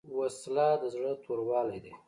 وسله د زړه توروالی دی